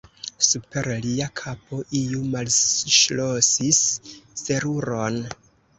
Super lia kapo iu malŝlosis seruron.